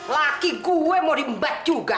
laki gue mau di mbak juga